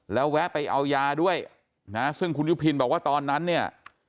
แล้วแวะไปเอายาด้วยนะซึ่งคุณยุพินบอกว่าตอนนั้นเนี่ย